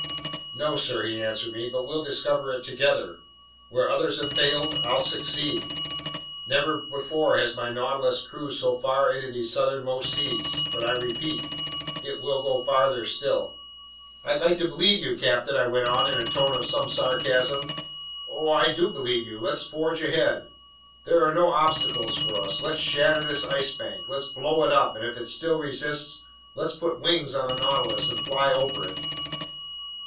"No, sir," he answered me, "but we'll discover it together. Where others have failed, I'll succeed. Never before has my Nautilus cruised so far into these southernmost seas, but I repeat: it will go farther still." "I'd like to believe you, captain," I went on in a tone of some sarcasm. "Oh I do believe you! Let's forge ahead! There are no obstacles for us! Let's shatter this Ice Bank! Let's blow it up, and if it still resists, let's put wings on the Nautilus and fly over it!"